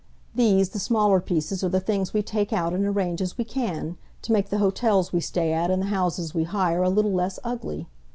These, the smaller pieces, are the things we take out and arrange as we can, to make the hotels we stay at and the houses we hire a little less ugly.